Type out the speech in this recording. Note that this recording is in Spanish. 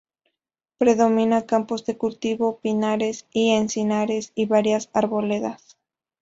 Predomina campos de cultivos, pinares, encinares y varias arboledas.